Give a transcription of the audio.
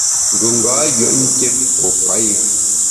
Ngùnga yùet nké pue payù.